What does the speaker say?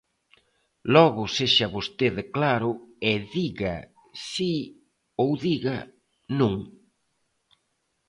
Logo sexa vostede claro e diga si ou diga non.